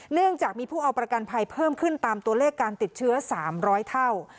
เนื่องจากมีผู้เอาประกันภัยเพิ่มขึ้นตามตัวเลขการติดเชื้อ๓๐๐เท่า